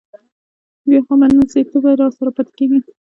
بیا خو به نه ځې، تل به راسره پاتې کېږې؟